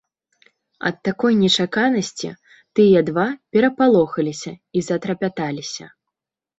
Ад такой нечаканасці тыя два перапалохаліся і затрапяталіся.